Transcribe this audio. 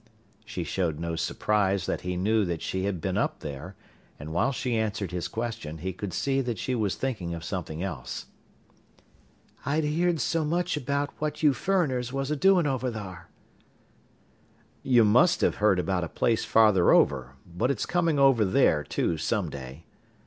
She showed no surprise that he knew that she had been up there, and while she answered his question, he could see that she was thinking of something else. "I'd heerd so much about what you furriners was a doin' over thar." "You must have heard about a place farther over but it's coming over there, too, some day."